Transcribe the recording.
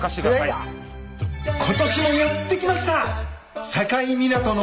ことしもやって来ました。